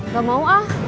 gak mau ah